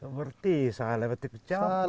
seperti seharga yang terlalu kecil